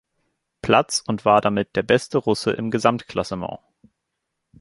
Platz und war damit der beste Russe im Gesamtklassement.